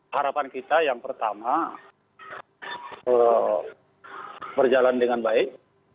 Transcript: harapan kita yang pertama berjalan dengan baik